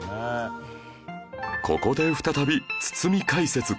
ここで再び堤解説